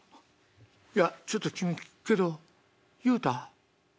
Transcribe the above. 「いやちょっと君聞くけど言うた？